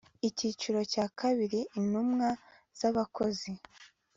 Icyiciro cya kabiri Intumwa z abakozi